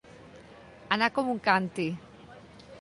Anar com un càntir.